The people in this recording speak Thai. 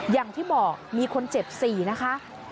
อย่างที่บอกมีคนเจ็บ๔นะคะ